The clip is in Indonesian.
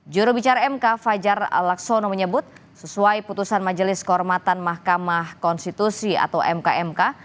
jurubicara mk fajar laksono menyebut sesuai putusan majelis kehormatan mahkamah konstitusi atau mkmk